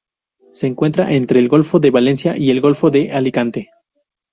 Se encuentra entre el golfo de Valencia y el golfo de Alicante.